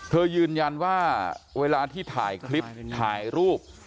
ยืนยันว่าเวลาที่ถ่ายคลิปถ่ายรูป